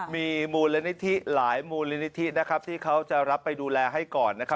มีมูลนิทธิหลายมูลนิทธินะครับที่เขาจะรับไปดูแลให้ก่อนนะครับ